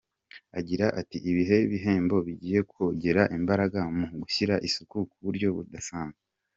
Agira ati “Ibi bihembo bigiye kongera imbaraga mu kugira isuku ku buryo budasanzwe.